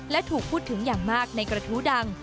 และถูกพูดถึงอย่างมากในกระทู้ดัง